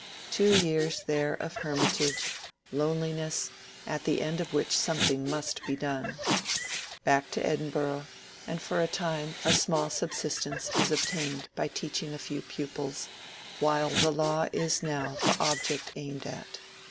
Two years there of hermitage, lone liness, at the end of which something must be done. ^Dsick to Edinburgh, and for a time a small subsistence is obtained by teaching a few pupils, while the law is now the object aimed at.